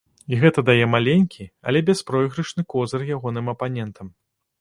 І гэта дае маленькі, але бяспройгрышны козыр ягоным апанентам.